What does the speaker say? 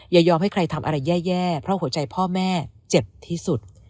อย่ายอมให้ใครทำอะไรแย่เพราะหัวใจพ่อแม่เจ็บที่สุด